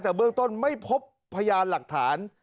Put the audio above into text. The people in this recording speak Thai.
แต่เบื้องต้นไม่พบพยานหลักฐาน